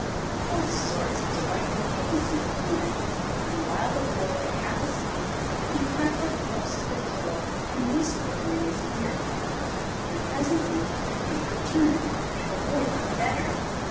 All sorts of delightful things he planned, and while the Boy lay half asleep he crept up close to the pillow and whispered them in his ear. And presently the fever turned, and the Boy got better.